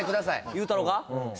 言うたろうか？